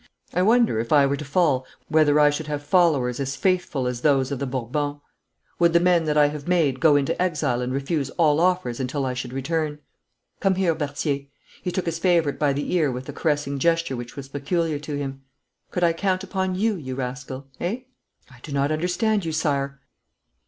I wonder if I were to fall whether I should have followers as faithful as those of the Bourbons. Would the men that I have made go into exile and refuse all offers until I should return? Come here, Berthier!' he took his favourite by the ear with the caressing gesture which was peculiar to him. 'Could I count upon you, you rascal eh?' 'I do not understand you, Sire.'